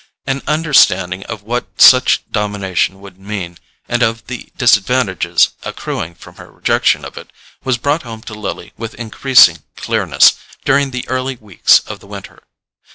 An understanding of what such domination would mean, and of the disadvantages accruing from her rejection of it, was brought home to Lily with increasing clearness during the early weeks of the winter.